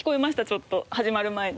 ちょっと始まる前に。